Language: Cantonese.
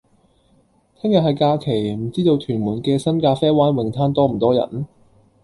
聽日係假期，唔知道屯門嘅新咖啡灣泳灘多唔多人？